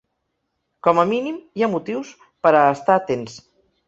Com a mínim, hi ha motius per a estar atents.